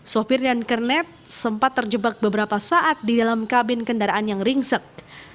sopir dan kernet sempat terjebak beberapa saat di dalam kabin kendaraan yang ringsek